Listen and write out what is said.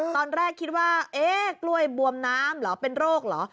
ตอนแรกคิดว่าเอ๊ะกล้วยบวมน้ำเหรอเป็นโรคเหรอ